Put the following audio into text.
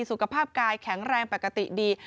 สุขภาพกายแข็งแรงปกติดี